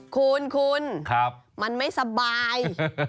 คุณมันไม่สบาย